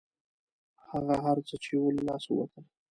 هغه هر څه چې وو له لاسه ووتل.